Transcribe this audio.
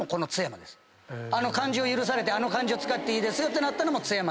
あの漢字を許されて使っていいですよってなったのも津山。